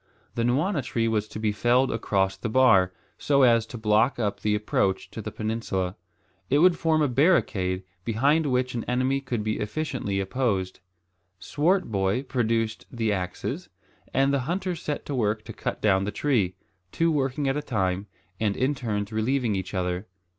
The nwana tree was to be felled across the bar, so as to block up the approach to the peninsula. It would form a barricade behind which an enemy could be efficiently opposed. Swartboy produced the axes, and the hunters set to work to cut down the tree, two working at a time, and in turns relieving each other.